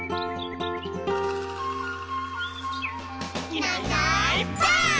「いないいないばあっ！」